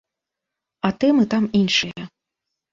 А тэмы там іншыя.